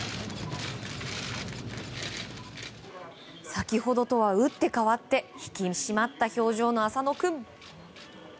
先ほどとは打って変わって引き締まった表情の浅野君。